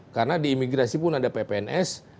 karena di imigrasi pun ada ppns